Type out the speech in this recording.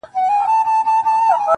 شاعر او شاعره.